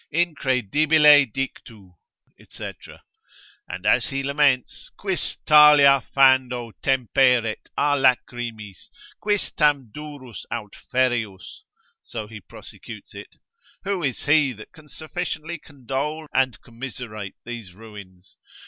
Incredibile dictu, &c. And as he laments, Quis talia fando Temperet a lachrymis? Quis tam durus aut ferreus, (so he prosecutes it). Who is he that can sufficiently condole and commiserate these ruins?